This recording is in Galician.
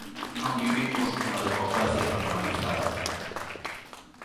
Non vivimos nunha democracia normalizada.